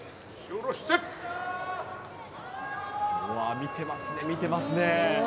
見てますね、見てますね。